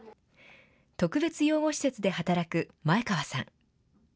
特別養護施設で働く前川さん。